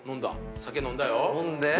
酒飲んだよ。